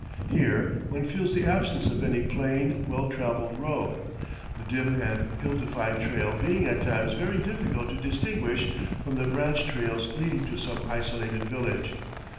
Here, one feels the absence of any plain, well travelled road, the dim and ill defined trail being at times very difficult to distinguish from the branch trails leading to some isolated village.